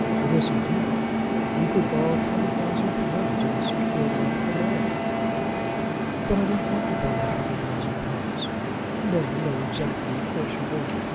It is indeed. You could borrow twenty thousand pounds on the security of it to morrow." "But I don't want to borrow twenty thousand pounds." "No, no; exactly. Of course you don't.